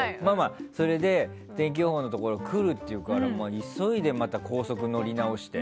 それで、天気予報のところに来るって言うから急いで高速乗り直して。